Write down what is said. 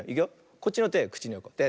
こっちのてくちにおいて。